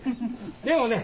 でもね